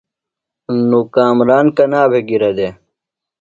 ݨ کامران کنا بھےۡ گِرہ دےۡ ؟